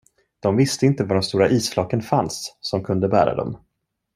De visste inte var de stora isflaken fanns, som kunde bära dem.